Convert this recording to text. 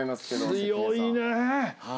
強いね。